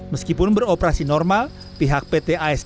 meskipun beroperasi normal pihak pt asdp juga berkoordinasi